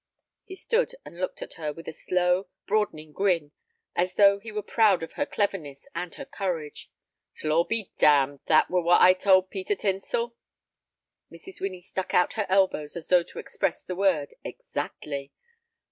He stood and looked at her with a slow, broadening grin, as though he were proud of her cleverness and her courage. "T' law be damned; that were what I told Peter Tinsel." Mrs. Winnie stuck out her elbows as though to express the word "exactly."